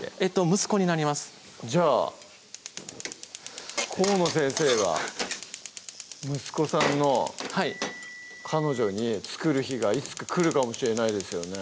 息子になりますじゃあ河野先生が息子さんの彼女に作る日がいつか来るかもしれないですよね